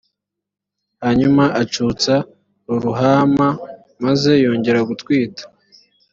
hanyuma acutsa loruhama maze yongera gutwita